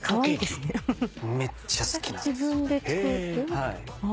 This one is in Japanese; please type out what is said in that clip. はい。